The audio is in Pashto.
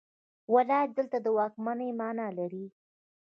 ولایت دلته د واکمنۍ معنی لري.